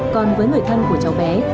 còn với người thân của cháu bé